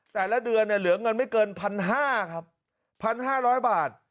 แต่ละเดือนเหลือเงินไม่เกิน๑๕๐๐บาท